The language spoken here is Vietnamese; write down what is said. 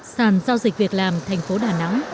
sàn giao dịch việc làm tp đà nẵng